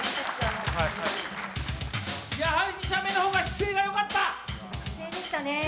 やはり、２射目の方が姿勢がよかった。